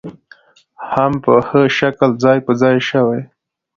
هم په ښه شکل ځاى په ځاى شوې .